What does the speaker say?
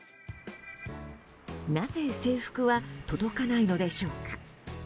なぜ、制服は届かないのでしょうか？